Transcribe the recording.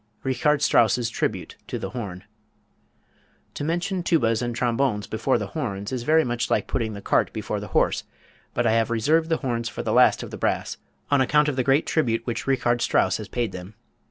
Richard Strauss's Tribute to the Horn. To mention tubas and trombones before the horns is very much like putting the cart before the horse, but I have reserved the horns for the last of the brass on account of the great tribute which Richard Strauss has paid them.